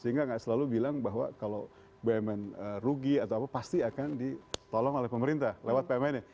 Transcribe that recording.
sehingga nggak selalu bilang bahwa kalau bumn rugi atau apa pasti akan ditolong oleh pemerintah lewat bumn nya